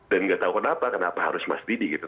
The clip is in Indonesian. dan nggak tahu kenapa kenapa harus mas didi gitu